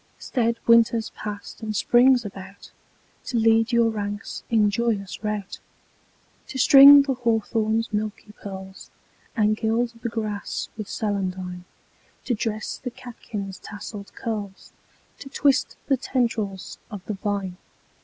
Staid Winter's passed and Spring's about To lead your ranks in joyous rout; To string the hawthorn's milky pearls, And gild the grass with celandine; To dress the catkins' tasselled curls, To twist the tendrils of the vine.